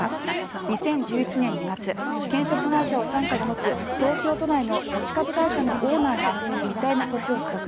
２０１１年２月建設会社を傘下に持つ東京都内の持ち株会社のオーナーが一帯の土地を取得。